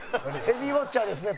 ヘビーウォッチャーですね。